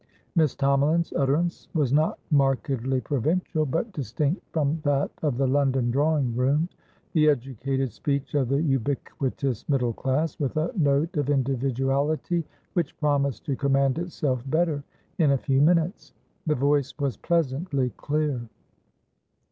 Miss Tomalin's utterance was not markedly provincial, but distinct from that of the London drawing room; the educated speech of the ubiquitous middle class, with a note of individuality which promised to command itself better in a few minutes. The voice was pleasantly clear.